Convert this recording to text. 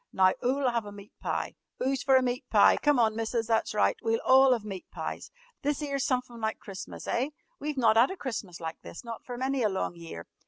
Now 'oo'll 'ave a meat pie? 'Oo's fer a meat pie? Come on, Missus! That's right. We'll all 'ave meat pies! This 'ere's sumfin like Christmas, eh? We've not 'ad a Christmas like this not for many a long year.